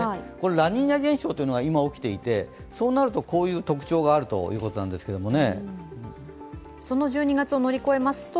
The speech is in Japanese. ラニーニャ現象が今、起きていて、そうなるとこういう特徴があるということなんですね。